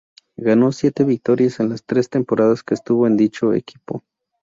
Ganó siete victorias en las tres temporadas que estuvo en dicho equipo.